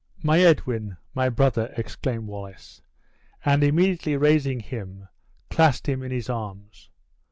"My Edwin, my brother!" exclaimed Wallace; and immediately raising him, clasped him in his arms.